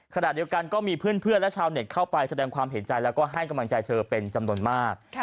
ขณะเดียวกันก็มีเพื่อนและชาวเน็ตเข้าไปแสดงความเห็นใจแล้วก็ให้กำลังใจเธอเป็นจำนวนมาก